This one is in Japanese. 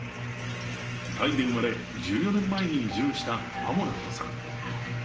タイで生まれ１４年前に移住したアモラットさん。